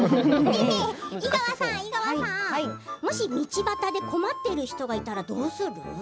井川さん、もし道端で困っている人がいたらどうする？